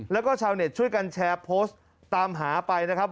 แล้วก็ชาวเน็ตช่วยกันแชร์โพสต์ตามหาไปนะครับ